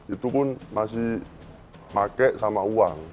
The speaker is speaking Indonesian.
itu pun masih pakai sama uang